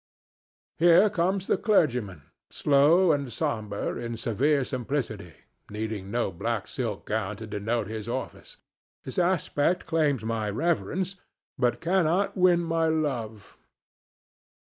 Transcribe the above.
Here comes the clergyman, slow and solemn, in severe simplicity, needing no black silk gown to denote his office. His aspect claims my reverence, but cannot win my love.